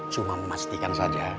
cuma memastikan saja